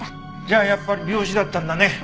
じゃあやっぱり病死だったんだね。